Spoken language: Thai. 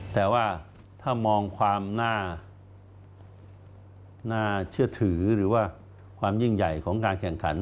แต่ว่าถ้ามองความน่าเชื่อถือหรือว่าความยิ่งใหญ่ของการแข่งขัน